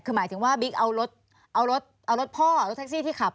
คือหมายถึงว่าบิ๊กเอารถเอารถพ่อรถแท็กซี่ที่ขับ